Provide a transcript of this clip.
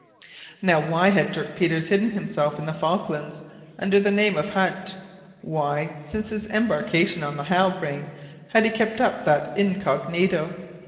Now, why had Dirk Peters hidden himself in the Falklands under the name of Hunt? Why, since his embarkation on the Halbrane, had he kept up that incognito?